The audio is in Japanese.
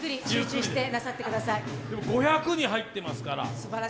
５００に入ってますから。